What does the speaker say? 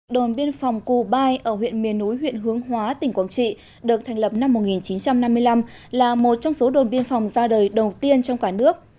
đồn biên phòng cù bai ở huyện miền núi huyện hướng hóa tỉnh quảng trị được thành lập năm một nghìn chín trăm năm mươi năm là một trong số đồn biên phòng ra đời đầu tiên trong cả nước